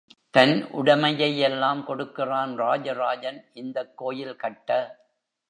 தன் உடைமை யெல்லாம் கொடுக்கிறான் ராஜராஜன், இந்தக் கோயில் கட்ட.